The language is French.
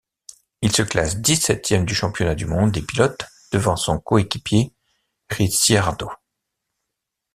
Il se classe dix-septième du championnat du monde des pilotes, devant son coéquipier Ricciardo.